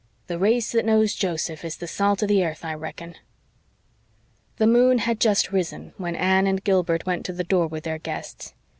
The race that knows Joseph is the salt of the airth, I reckon." The moon had just risen when Anne and Gilbert went to the door with their guests.